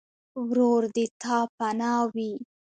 ورور د تا پناه وي.